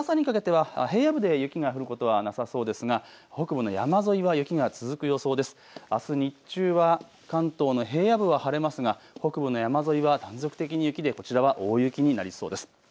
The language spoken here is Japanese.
あす日中は関東の平野部は晴れますが北部の山沿いは断続的に雪で、こちらは大雪になりそうです。